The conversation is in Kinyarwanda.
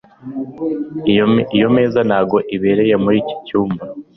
Iyo meza ntabwo ibereye muri iki cyumba